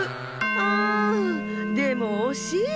あんでもおしい。